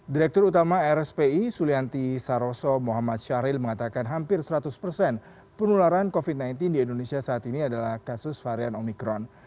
direktur utama rspi sulianti saroso muhammad syahril mengatakan hampir seratus persen penularan covid sembilan belas di indonesia saat ini adalah kasus varian omikron